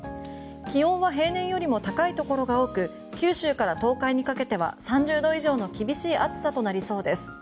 気温は平年よりも高いところが多く九州から東海にかけては３０度以上の厳しい暑さとなりそうです。